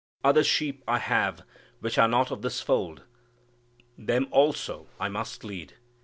"Other sheep I have which are not of this fold: them also I must lead."